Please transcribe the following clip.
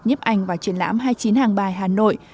nhiếp ảnh và chuyển lãm hai mươi chín hàng bài hà nội